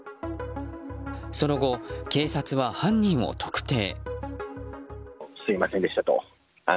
その後、警察は犯人を特定。